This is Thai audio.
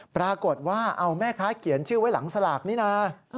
ปรากฏว่าเอาแม่ค้าเขียนชื่อไว้หลังสลากนี้นะ